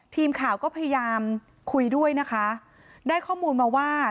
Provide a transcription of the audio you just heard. ทีมข่าวก็พยายามคุยด้วยนะคะได้ข้อมูลมาว่า